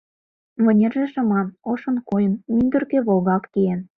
Вынерже шыма, ошын койын, мӱндыркӧ волгалт киен.